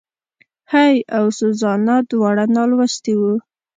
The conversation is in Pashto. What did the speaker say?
هېي او سوزانا دواړه نالوستي وو.